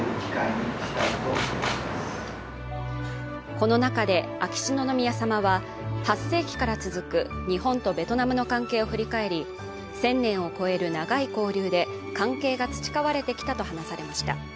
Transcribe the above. この中で、秋篠宮さまは、８世紀から続く日本とベトナムの関係を振り返り１０００年を超える長い交流で関係が培われてきたと話されました。